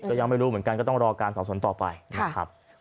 ก็ยังไม่รู้เหมือนกันก็ต้องรอการสอบส่วนต่อไปนะครับ